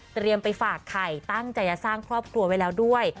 ไปฝากไข่ตั้งใจจะสร้างครอบครัวไว้แล้วด้วย